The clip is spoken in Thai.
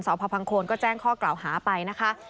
พพังโคนก็แจ้งข้อกล่าวหาไปนะคะ